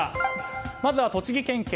まずは栃木県警。